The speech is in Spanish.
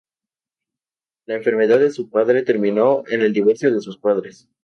La enfermedad de su padre terminó en el divorcio de sus padres.